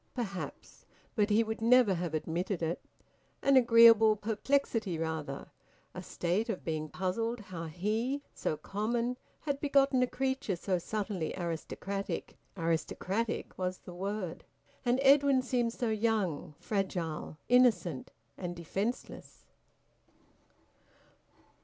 Perhaps; but he would never have admitted it. An agreeable perplexity rather a state of being puzzled how he, so common, had begotten a creature so subtly aristocratic ... aristocratic was the word. And Edwin seemed so young, fragile, innocent, and defenceless!